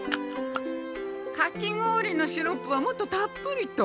かき氷のシロップはもっとたっぷりと。